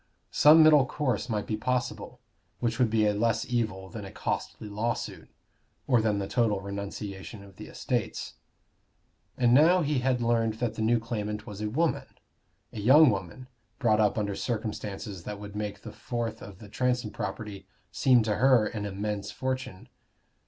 Some middle course might be possible, which would be a less evil than a costly lawsuit, or than the total renunciation of the estates. And now he had learned that the new claimant was a woman a young woman, brought up under circumstances that would make the fourth of the Transome property seem to her an immense fortune.